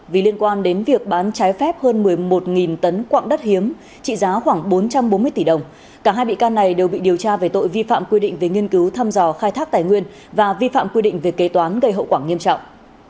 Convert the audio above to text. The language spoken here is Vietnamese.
vì liên quan đến việc bán trái phép hơn một mươi một tấn quạng đất hiếm trị giá khoảng bốn trăm bốn mươi tỷ đồng cả hai bị can này đều bị điều tra về tội vi phạm quy định về nghiên cứu thăm dò khai thác tài nguyên và vi phạm quy định về kế toán gây hậu quả nghiêm trọng